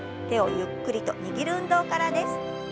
手をゆっくりと握る運動からです。